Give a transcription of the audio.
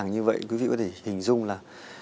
như vậy quý vị có thể hình dung là